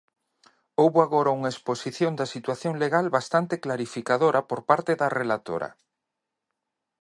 Houbo agora unha exposición da situación legal bastante clarificadora por parte da relatora.